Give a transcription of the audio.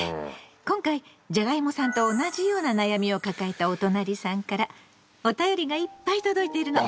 今回じゃがいもさんと同じような悩みを抱えたおとなりさんからおたよりがいっぱい届いてるの。